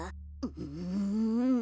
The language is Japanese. うん。